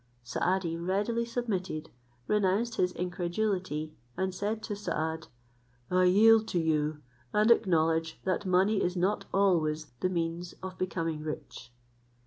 Saadi readily submitted, renounced his incredulity; and said to Saad, "I yield to you, and acknowledge that money is not always the means of becoming rich."